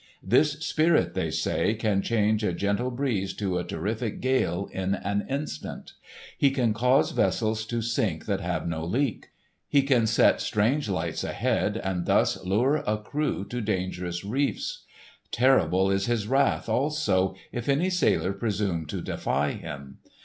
This Spirit, they say, can change a gentle breeze to a terrific gale in an instant. He can cause vessels to sink that have no leak. He can set strange lights ahead and thus lure a crew to dangerous reefs. Terrible is his wrath, also, if any sailor presumes to defy him.